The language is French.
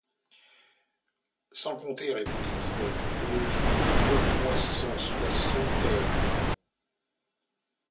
Sans compter, répondit Nicholl, que le jour y dure trois cent soixante heures!